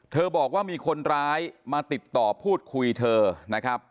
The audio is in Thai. บอกว่ามีคนร้ายมาติดต่อพูดคุยเธอนะครับ